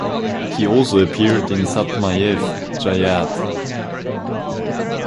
He also appeared in "Satyamev Jayate".